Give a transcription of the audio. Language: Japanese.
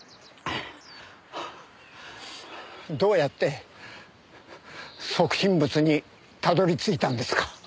どうやって即身仏にたどり着いたんですか？